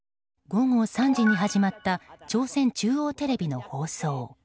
午後３時に始まった朝鮮中央テレビの放送。